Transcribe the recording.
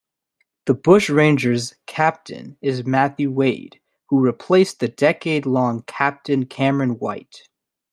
The Bushrangers' captain is Matthew Wade, who replaced the decade-long captain Cameron White.